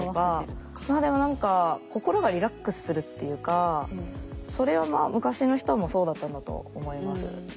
でも何か心がリラックスするっていうかそれは昔の人もそうだったんだと思います。